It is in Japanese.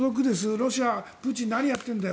ロシア、プーチン何やってんだよ